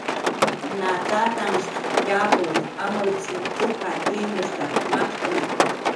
Na tatanhshq yapw amrutzir ujar imnushtak maktna.